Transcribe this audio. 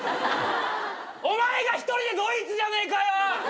お前が１人でドイツじゃねえかよ！